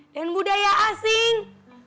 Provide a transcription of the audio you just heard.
dan budaya asing